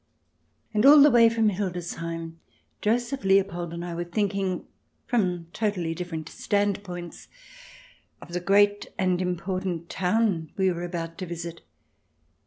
And all the way from Hildesheim, Joseph Leopold and I were think ing, from totally different standpoints, of the great and important town we were about to visit.